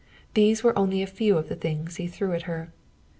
These were only a few of the things he threw at her.